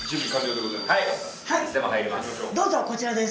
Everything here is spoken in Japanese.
どうぞこちらです。